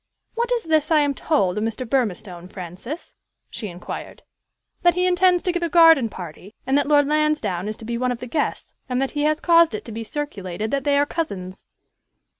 "What is this I am told of Mr. Burmistone, Francis?" she inquired. "That he intends to give a garden party, and that Lord Lansdowne is to be one of the guests, and that he has caused it to be circulated that they are cousins."